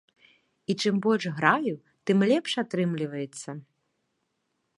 І чым больш граю, ты лепш атрымліваецца.